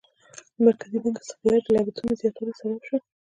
د مرکزي بانک استقلالیت د لګښتونو زیاتوالي سبب شو.